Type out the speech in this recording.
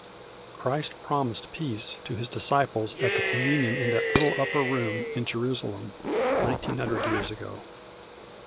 Christ promised peace to His disciples at the Communion in that little upper room in Jerusalem, nineteen hundred years ago.